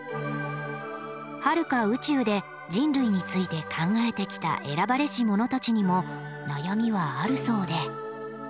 はるか宇宙で人類について考えてきた選ばれし者たちにも悩みはあるそうで。